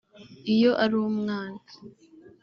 Iyo ari umwana